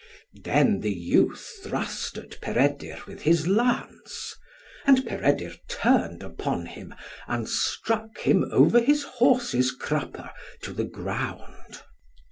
Then the youth thrust at Peredur with his lance, and Peredur turned upon him, and struck him over his horse's crupper to the ground.